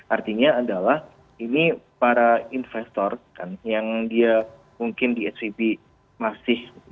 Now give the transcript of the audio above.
artinya adalah ini para investor kan yang dia mungkin di svb masih